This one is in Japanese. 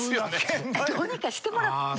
どうにかしてもらった？